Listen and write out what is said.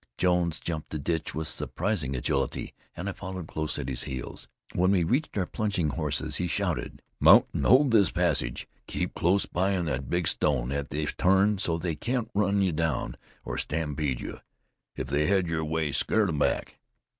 Jones jumped the ditch with surprising agility, and I followed close at his heels. When we reached our plunging horses, he shouted: "Mount, and hold this passage. Keep close in by that big stone at the turn so they can't run you down, or stampede you. If they head your way, scare them back."